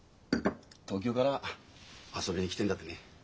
東京から遊びに来てるんだってね。